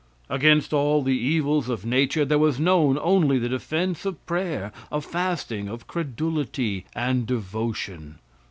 Against all the evils of nature there was known only the defense of prayer, of fasting, of credulity, and devotion.